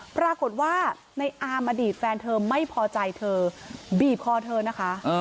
ปรากฏว่าในอามอดีตแฟนเธอไม่พอใจเธอบีบคอเธอนะคะ